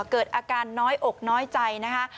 เกิดอาการน้อยอกน้อยใจนะคะ